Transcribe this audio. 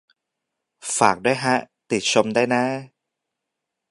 ฝากด้วยฮะ ติชมได้น้า